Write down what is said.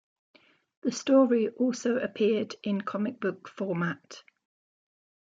The story also appeared in comic book format.